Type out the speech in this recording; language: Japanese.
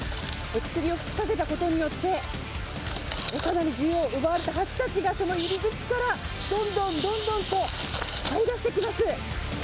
薬を吹きかけたことによって、かなり自由を奪われたハチたちが、その入り口から、どんどんどんどんと、はい出してきます。